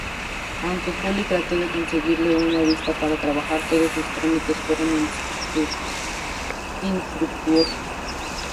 Aunque July trató de conseguirle una visa para trabajar, todos sus trámites fueron infructuosos.